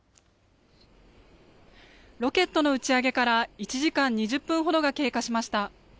ロケットの打ち上げから１時間２０分ほどが経過しました。